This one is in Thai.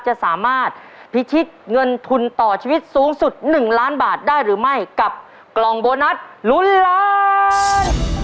จะสามารถพิชิตเงินทุนต่อชีวิตสูงสุด๑ล้านบาทได้หรือไม่กับกล่องโบนัสลุ้นล้าน